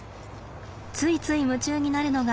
ついつい夢中になるのが。